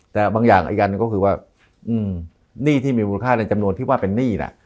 แต่บางอย่างอีกอันหนึ่งก็คือว่าหนี้ที่มีมูลค่าในจำนวนที่ว่าเป็นหนี้ล่ะ